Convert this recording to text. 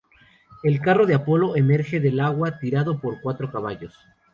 El carro de Apolo emerge del agua, tirado por cuatro caballos.